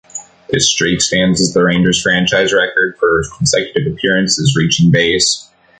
This streak stands as the Rangers franchise record for consecutive appearances reaching base.